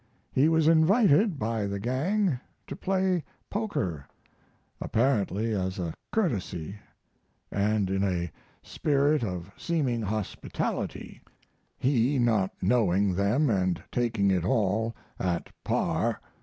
He was invited by the gang to play poker apparently as a courtesy & in a spirit of seeming hospitality, he not knowing them & taking it all at par.